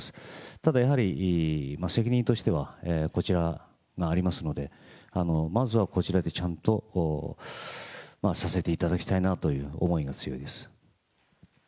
ただやはり、責任としてはこちらがありますので、まずはこちらでちゃんとさせていただきたいなという思いが強いです。